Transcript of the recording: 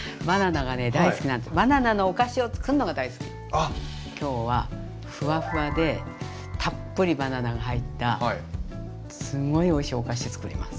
バナナの今日はフワフワでたっぷりバナナが入ったすごいおいしいお菓子つくります。